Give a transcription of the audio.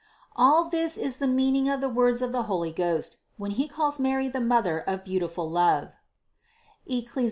525. All this is the meaning of the words of the Holy Ghost when He calls Mary the mother of beautiful love (Eccli.